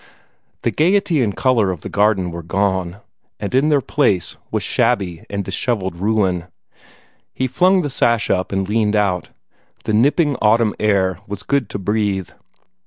The gayety and color of the garden were gone, and in their place was shabby and dishevelled ruin. He flung the sash up and leaned out. The nipping autumn air was good to breathe.